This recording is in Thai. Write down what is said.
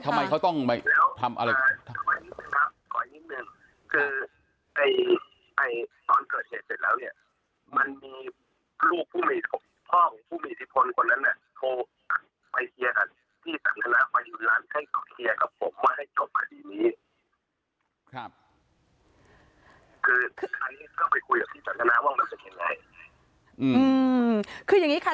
ครับคืออันนี้ก็ไปคุยกับที่จันทนาว่ามันเป็นอย่างไรอืมคืออย่างงี้ค่ะ